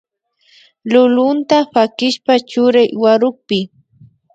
Lulunta pakishpa churay warukpi